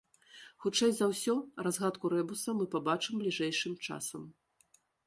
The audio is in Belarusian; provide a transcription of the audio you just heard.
Хутчэй за ўсё, разгадку рэбуса мы пабачым бліжэйшым часам.